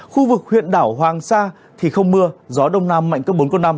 khu vực huyện đảo hoàng sa thì không mưa gió đông nam mạnh cấp bốn năm